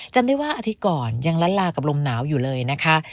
จำได้ว่าอาทิตย์ก่อนยังล้านลากับลมหนาวอยู่เลยนะคะ